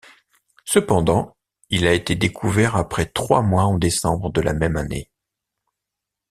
Cependant, il a été découvert après trois mois en décembre de la même année.